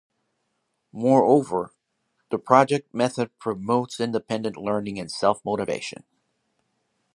Moreover, the project method promotes independent learning and self-motivation.